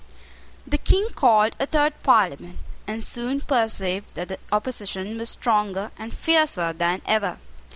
The King called a third Parliament, and soon perceived that the opposition was stronger and fiercer than ever.